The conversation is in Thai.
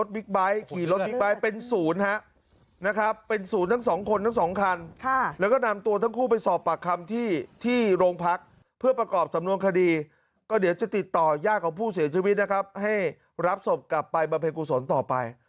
ติดต่อยากของผู้เสียชีวิตนะครับให้รับศพกลับไปบรรเพกุศลต่อไป